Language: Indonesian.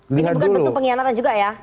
ini bukan bentuk pengkhianatan juga ya